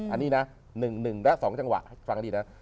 อันนี้นะหนึ่งและสองจังหวะฟังดีนะ